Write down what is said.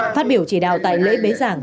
phát biểu chỉ đạo tại lễ bế giảng